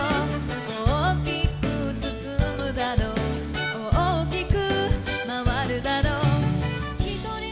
「大きくつつむだろう大きくまわるだろう」